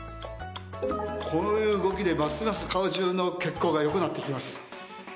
こういう動きでますます顔中の血行が良くなってきます。